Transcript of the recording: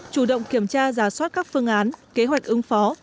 chủ động kiểm tra giả soát các phương án kế hoạch ứng phó